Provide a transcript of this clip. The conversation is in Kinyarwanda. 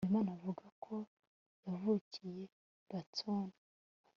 habimana avuga ko yavukiye i boston